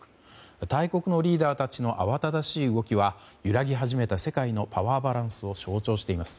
大国のリーダーたちの慌ただしい動きは揺らぎ始めた世界のパワーバランスを象徴しています。